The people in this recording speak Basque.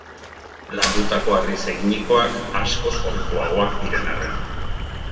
Landutako harriz eginikoak, askoz ohikoagoak diren arren.